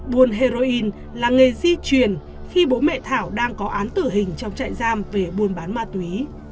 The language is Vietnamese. buôn heroin là nghề di truyền khi bố mẹ thảo đang có án tử hình trong trại giam về buôn bán ma túy